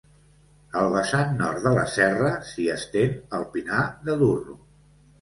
Al vessant nord de la serra, s'hi estén el Pinar de Durro.